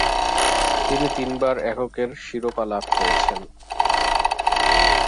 তিনি তিনবার এককের শিরোপা লাভ করেছেন।